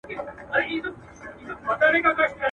لاندي باندي به جهان کړې ما به غواړې نه به یمه.